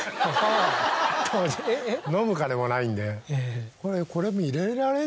当時飲む金もないんで。